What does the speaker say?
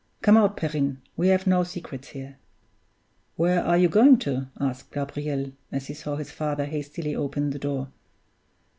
Come out, Perrine; we've no secrets here." "Where are you going to?" asked Gabriel, as he saw his father hastily open the door.